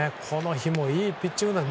この日もいいピッチング。